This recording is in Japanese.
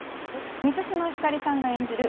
満島ひかりさんが演じる